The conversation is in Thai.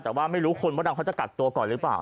แต่ว่าไม่รู้คนมดดำเขาจะกักตัวก่อนหรือเปล่า